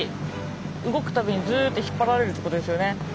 動くたびにずっと引っ張られるってことですよね。